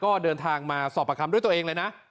ก็เดินทางมาสอบประคำด้วยตัวเองเลยนะ